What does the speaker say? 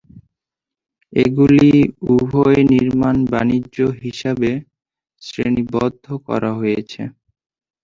এগুলি উভয়ই নির্মাণ বাণিজ্য হিসাবে শ্রেণিবদ্ধ করা হয়েছে।